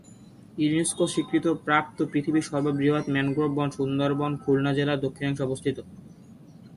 UNESCO স্বীকৃতি প্রাপ্ত পৃথিবীর সর্ব বৃহৎ ম্যানগ্রোভ বন সুন্দরবন খুলনা জেলার দক্ষিণাংশে অবস্থিত।